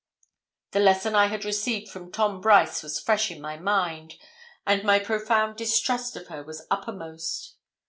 The lesson I had received from Tom Brice was fresh in my mind, and my profound distrust of her was uppermost.